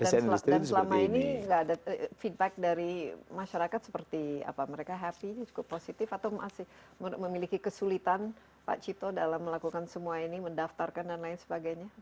dan selama ini tidak ada feedback dari masyarakat seperti apa mereka happy cukup positif atau masih memiliki kesulitan pak cito dalam melakukan semua ini mendaftarkan dan lain sebagainya